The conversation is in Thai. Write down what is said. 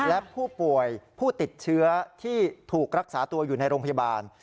และผู้ป่วยผู้ติดเชื้อที่ถูกรักษาตัวอยู่ในโรงพยาบาล